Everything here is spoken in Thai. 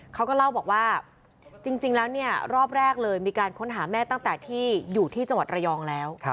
เขาก็เล่าบอกว่าจริงแล้วเนี่ยรอบแรกเลยมีการค้นหาแม่ตั้งแต่ที่อยู่ที่จังหวัดระยองแล้ว